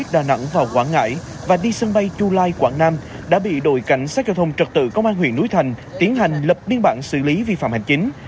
đà nẵng vào quảng ngãi và đi sân bay chu lai quảng nam đã bị đội cảnh sát giao thông trật tự công an huyện núi thành tiến hành lập biên bản xử lý vi phạm hành chính